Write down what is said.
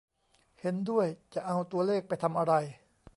เห็นด้วย จะเอาตัวเลขไปทำอะไร